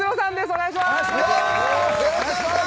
お願いします。